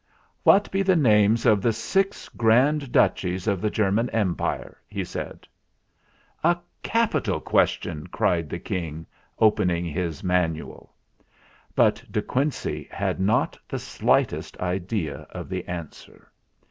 "What be the names of the six Grand Duchies of the German Empire ?" he said. "A capital question!" cried the King, open ing his "Manual." But De Quincey had not the slightest idea of the answer.